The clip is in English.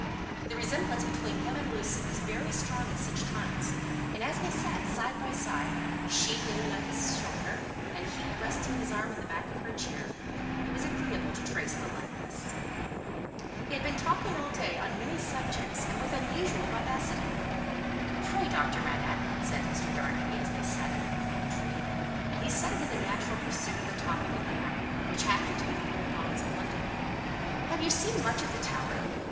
The resemblance between him and Lucie was very strong at such times, and as they sat side by side, she leaning on his shoulder, and he resting his arm on the back of her chair, it was very agreeable to trace the likeness. He had been talking all day, on many subjects, and with unusual vivacity. "Pray, Doctor Manette," said Mr. Darnay, as they sat under the plane tree and he said it in the natural pursuit of the topic in hand, which happened to be the old buildings of London "have you seen much of the Tower?"